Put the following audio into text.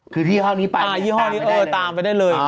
คือชี่ห้อนี้ไปตามไปได้เลย